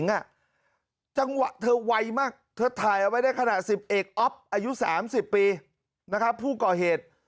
นะครับผู้ก่อเหตุ